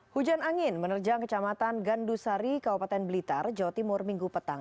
hujan angin menerjang kecamatan gandusari kabupaten blitar jawa timur minggu petang